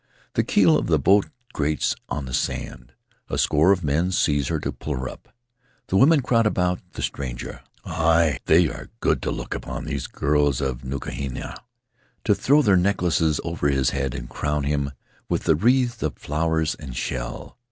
The keel of the boat grates on the sand; a score of men seize her to pull her up; the women crowd about the stranger (Auel They are good to look upon these girls of Nukuhina!), to throw their necklaces over his head and crown him with wreaths of flowers and shell.